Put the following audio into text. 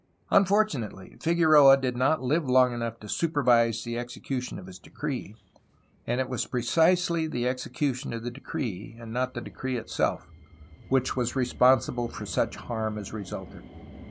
Unfortunately, Figueroa did not live long enough to supervise the execution of his decree, and it was precisely the execution of the decree, and not the decree itself, which was responsible for such harm as resulted.